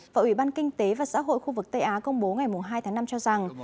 và ủy ban kinh tế và xã hội khu vực tây á công bố ngày hai tháng năm cho rằng